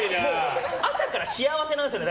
朝から幸せなんですよね